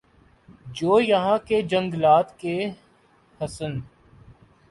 جو یہاں کے جنگلات کےحسن